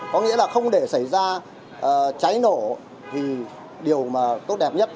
có nghĩa là không để xảy ra cháy nổ thì điều mà tốt đẹp nhất